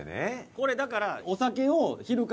これだから。